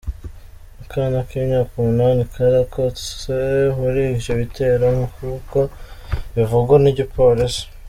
Akana k'imyaka umunani karokotse muri ivyo bitero, nk'uko bivugwa n'igipolisi.